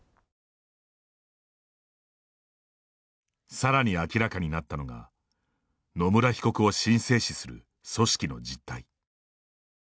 さらに明らかになったのが野村被告を神聖視する組織の実態。